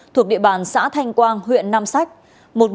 thuộc địa bàn xã thanh quang huyện nam sách